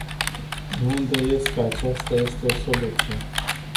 Mă îndoiesc că aceasta este o soluție.